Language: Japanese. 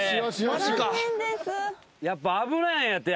やっぱ危ないんやて。